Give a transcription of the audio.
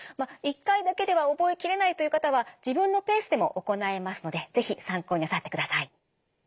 １回だけでは覚えきれないという方は自分のペースでも行えますので是非参考になさってください。